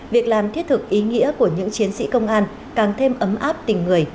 việc làm thiết thực ý nghĩa của những chiến sĩ công an càng thêm ấm áp tình người